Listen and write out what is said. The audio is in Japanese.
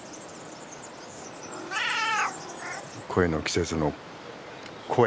恋の季節の声。